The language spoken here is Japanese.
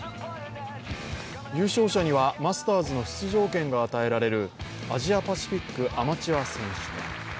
優勝者にはマスターズの出場権が与えられるアジアパシフィックアマチュア選手権。